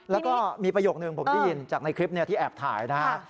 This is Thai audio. แล้วก็มีประโยคนึงผมได้ยินจากในคลิปที่แอบถ่ายนะฮะ